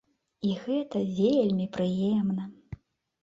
І гэта вельмі прыемна.